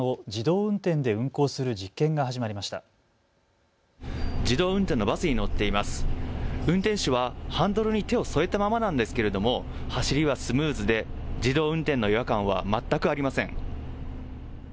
運転手はハンドルに手を添えたままなんですけれども走りはスムーズで自動運転の違和感は全くありません。